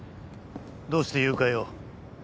どうして誘拐を？